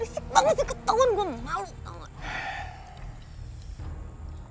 risik banget sih ketauan gue mau maulit tau